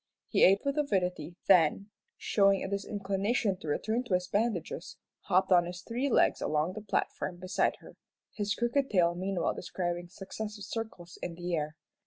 He ate with avidity, then, showing a disinclination to return to his bandages, hopped on his three legs along the platform beside her, his crooked tail meanwhile describing successive circles in the air.